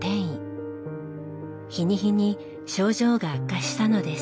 日に日に症状が悪化したのです。